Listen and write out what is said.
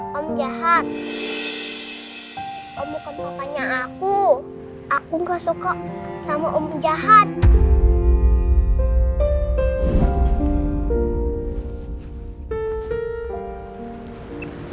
kamu kan papanya aku aku gak suka sama om jahat